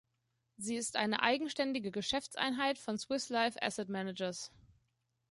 Sie ist eine eigenständige Geschäftseinheit von Swiss Life Asset Managers.